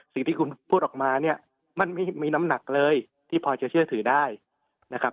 สิ่งที่คุณพูดออกมาเนี่ยมันไม่มีน้ำหนักเลยที่พอจะเชื่อถือได้นะครับ